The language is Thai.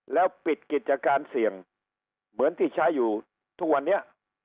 แล้วปิดกิจการเสี่ยงเหมือนที่ใช้อยู่ทุกวันนี้